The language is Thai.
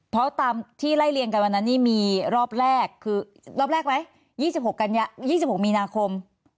เพราะตามที่ไล่เรียงกันวันนั้นนี่มีรอบแรกคือรอบแรกไหม๒๖๒๖มีนาคม